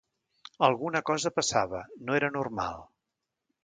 Alguna cosa passava, no era normal.